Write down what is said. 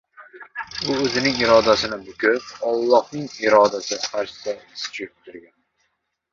U o‘zining irodasini bukib, Allohning irodasi qarshisida tiz cho‘ktirgan.